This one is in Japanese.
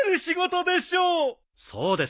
そうです。